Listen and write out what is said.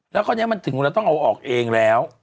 แล้วคราวนี้มันถึงเราต้องเอาออกเองแล้ว